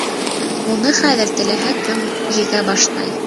Уны хәҙер теләһә кем егә баштай.